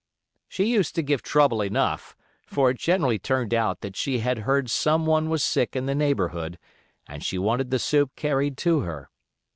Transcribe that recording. She used to give trouble enough; for it generally turned out that she had heard some one was sick in the neighborhood, and she wanted the soup carried to her.